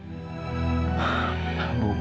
aida sudah pergi